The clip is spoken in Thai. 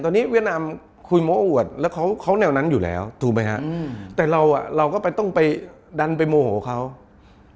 ตอนนี้เวียดนามคุยหมวดแล้วเขาแนวนั้นอยู่แล้วถูกมั้ยฮะแต่เราก็ต้องไปดันไปโมโหเขาเราเก่งกว่าเขาแล้วทำไม